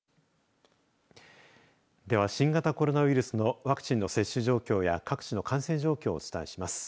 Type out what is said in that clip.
では、新型コロナウイルスのワクチンの接種状況や各地の感染状況をお伝えします。